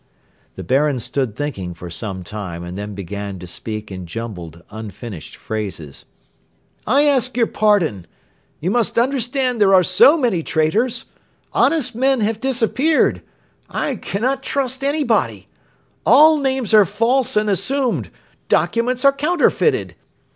The Baron stood thinking for some time and then began to speak in jumbled, unfinished phrases. "I ask your pardon. ... You must understand there are so many traitors! Honest men have disappeared. I cannot trust anybody. All names are false and assumed; documents are counterfeited.